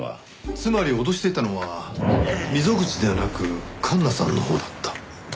つまり脅していたのは溝口ではなく環那さんのほうだった。